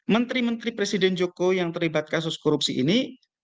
menteri menteri presiden jokowi yang terlibat kasus korupsi ini